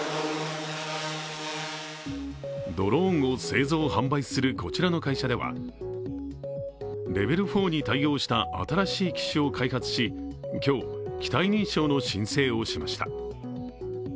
ドローンを製造・販売するこちらの会社ではレベル４に対応した新しい機種を開発し今日、機体認証の申請をしました。